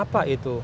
apa itu artinya